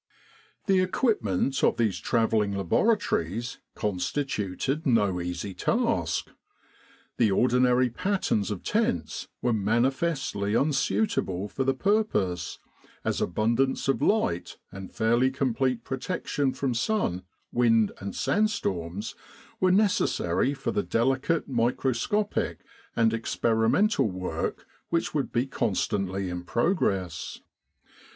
The equipment of these travelling laboratories constituted no easy task. The ordinary patterns of tents were manifestly unsuitable for the purpose, as abundance of light and fairly complete protection from sun, wind and sandstorms were necessary for the delicate microscopic and experimental work which would be constantly in progress.